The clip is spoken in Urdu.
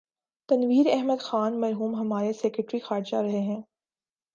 تنویر احمد خان مرحوم ہمارے سیکرٹری خارجہ رہے ہیں۔